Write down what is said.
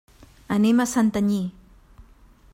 Anem a Santanyí.